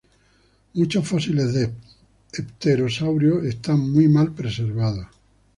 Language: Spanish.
Muchos fósiles de pterosaurio están muy mal preservados.